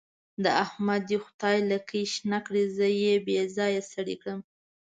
د احمد دې خدای لکۍ شنه کړي؛ زه يې بې ځايه ستړی کړم.